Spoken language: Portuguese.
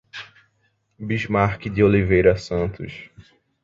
Bismarque de Oliveira Santos